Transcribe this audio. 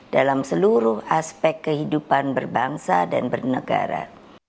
dalam seluruh aspek kehidupan berbangsa dan bernegara